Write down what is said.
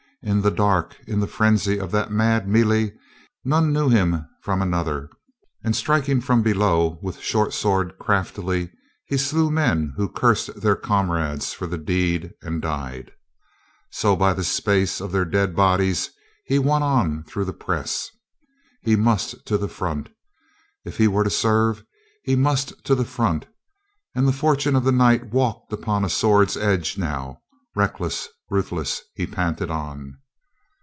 In the dark, in the frenzy of that mad me lee, none knew him from another, and striking from below with short sword craftily, he slew men who cursed their comrades for the deed and died. So by 374 COLONEL GREATHEART the space of their dead bodies he won on through the press. He must to the front! If he were to serve, he must to the front, and the fortune of the night walked upon a sword's edge now. Reckless, ruthless, he panted on.